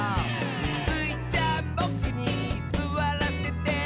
「スイちゃんボクにすわらせて？」